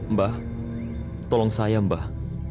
mbah tolong saya mbah